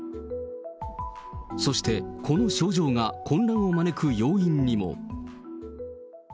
そしてこの症状が混乱を招く要因にも。